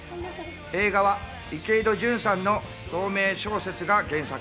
映画は池井戸潤さんの同名小説が原作。